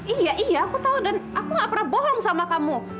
iya iya aku tahu dan aku gak pernah bohong sama kamu